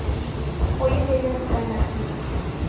Hoy en día ya no está en activo.